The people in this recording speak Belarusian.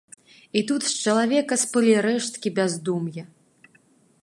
І тут з чалавека сплылі рэшткі бяздум'я.